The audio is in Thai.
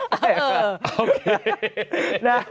โอเค